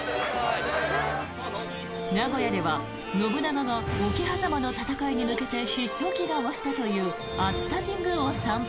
名古屋では信長が桶狭間の戦いに向けて必勝祈願をしたという熱田神宮を参拝。